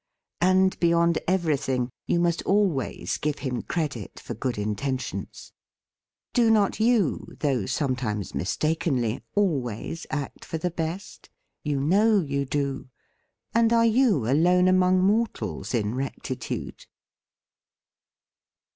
And beyond everything you must always give him credit for good intentions. Do not you, THE FEAST OF ST FRIEND though sometimes mistakenly, always act for the best? You know you do! And are you alone among mortals in rectitude?